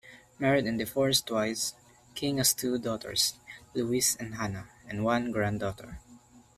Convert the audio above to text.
Married and divorced twice, King has two daughters, Louise and Hannah, and one granddaughter.